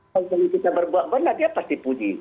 kalau misalnya kita berbuat benar dia pasti puji